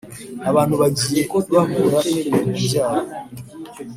abantu bagiye bahura n’ibintu byabo